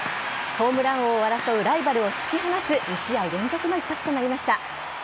ホームラン王を争うライバルを突き放す２試合連続の一発となりました。